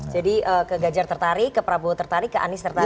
jadi ke ganjar tertarik ke prabowo tertarik ke anies tertarik